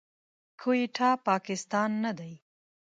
کويټه، پاکستان نه دی.